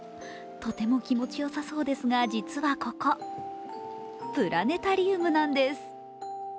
とても気持ちよさそうですが実はここプラネタリウムなんです。